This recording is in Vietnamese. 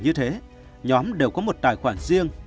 nhóm thiện nguyện lập gia làm như thế nhóm đều có một tài khoản riêng